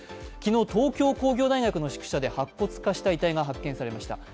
昨日、東京工業大学の宿舎で白骨化した遺体が見つかりました。